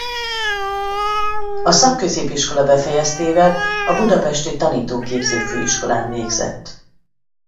A szakközépiskola befejeztével a Budapesti Tanítóképző Főiskolán végzett.